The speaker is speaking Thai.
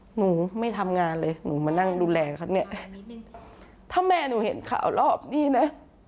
หนูไม่ทำงานเลยหนูมานั่งดูแลเขาเนี่ยถ้าแม่หนูเห็นข่าวรอบนี้นะ